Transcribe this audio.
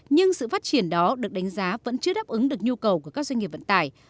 nhưng sự phát triển đó được đánh giá vẫn chưa đáp ứng được nhu cầu của các doanh nghiệp vận tải